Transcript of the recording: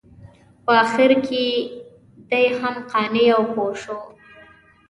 په اخره کې دی هم قانع او پوه شو.